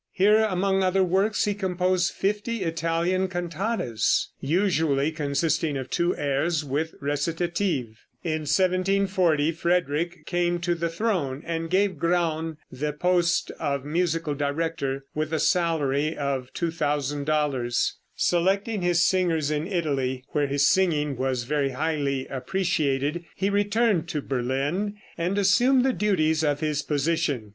Here, among other works, he composed fifty Italian cantatas, usually consisting of two airs with recitative. In 1740 Frederick came to the throne, and gave Graun the post of musical director, with a salary of $2,000. Selecting his singers in Italy, where his singing was very highly appreciated, he returned to Berlin and assumed the duties of his position.